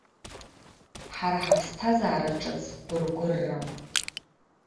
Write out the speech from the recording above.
Ҳара ҳаԥсҭазаара ҿыц гәыргәыррам.